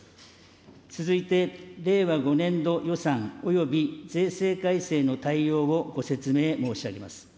続いて、令和５年度予算および税制改正の大要をご説明申し上げます。